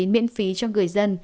miễn phí cho người dân